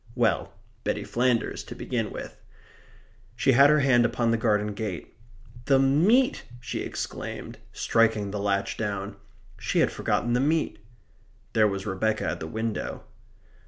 Well, Betty Flanders, to begin with. She had her hand upon the garden gate. "The meat!" she exclaimed, striking the latch down. She had forgotten the meat. There was Rebecca at the window.